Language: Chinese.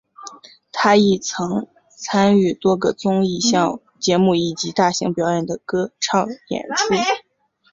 他亦曾参与多个综艺节目及大型表演的歌唱演出。